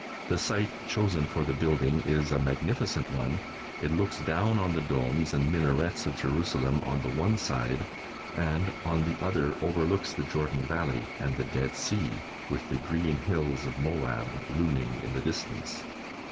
The site chosen for the building is a magnificent one. It looks down on the domes and minarets of Jerusalem on the one side, and, on the other, overlooks the Jordan Valley and the Dead Sea, with the green hills of Moab looming in the distance.